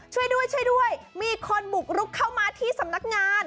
ช่วยด้วยช่วยด้วยมีคนบุกรุกเข้ามาที่สำนักงาน